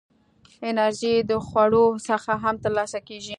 انرژي د خوړو څخه هم ترلاسه کېږي.